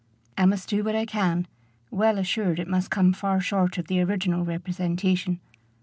I must do what I can, well assured it must come far short of the original representation.